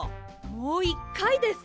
もう１かいです！